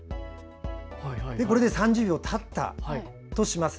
これで３０秒たったとします。